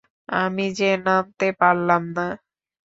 আমি যে নামতে পারলাম না?